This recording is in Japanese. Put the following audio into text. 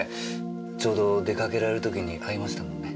ちょうど出かけられる時に会いましたもんね。